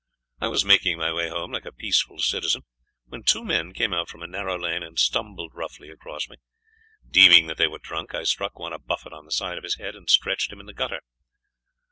I was making my way home like a peaceful citizen, when two men came out from a narrow lane and stumbled roughly across me. Deeming that they were drunk, I struck one a buffet on the side of his head and stretched him in the gutter."